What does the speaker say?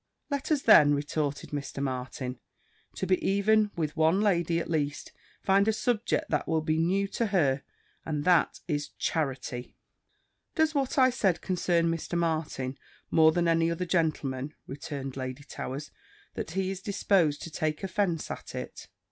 "Let us then," retorted Mr. Martin, "to be even with one lady at least find a subject that will be new to her: and that is CHARITY." "Does what I said concern Mr. Martin more than any other gentleman," returned Lady Towers, "that he is disposed to take offence at it?"